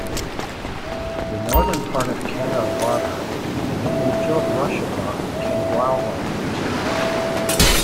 The northern part of Canada Water and the infilled Russia Dock became wildlife reserves.